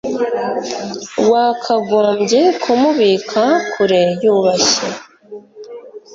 Wakagombye kumubika kure yubashye.